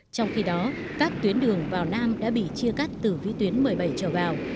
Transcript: trong khi đó các tuyến đường vào nam đã bị chia cắt từ vĩ tuyến một mươi bảy trở vào